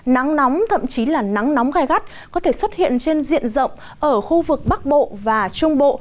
nắng nóng thậm chí là nắng nóng gai gắt có thể xuất hiện trên diện rộng ở khu vực bắc bộ và trung bộ